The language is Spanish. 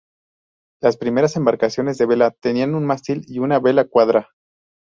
Las primeras embarcaciones de vela tenían un mástil y una vela cuadra.